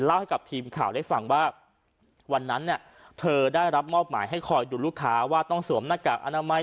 ให้กับทีมข่าวได้ฟังว่าวันนั้นเนี่ยเธอได้รับมอบหมายให้คอยดูลูกค้าว่าต้องสวมหน้ากากอนามัย